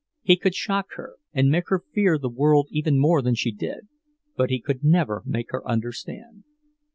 He could shock her and make her fear the world even more than she did, but he could never make her understand.